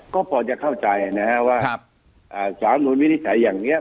ก็พอจะเข้าใจนะครับว่าสารรับโน้นวินิจฉัยอย่างเนี่ย